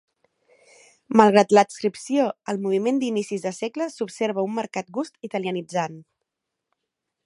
Malgrat l'adscripció al moviment d'inicis de segle, s'observa un marcat gust italianitzant.